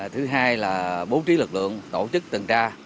thứ hai là bố trí lực lượng tổ chức tuần tra